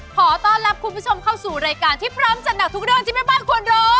ขอต้อนรับคุณผู้ชมเข้าสู่รายการที่พร้อมจัดหนักทุกเรื่องที่แม่บ้านควรรู้